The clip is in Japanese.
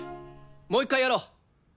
もう一回やろう。